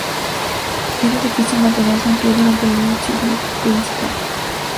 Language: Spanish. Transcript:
Era difícil mantenerse en pie durante el sismo principal.